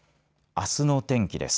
あすの天気です。